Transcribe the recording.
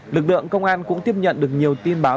lực lượng công an cũng tiếp nhận được nhiều tin báo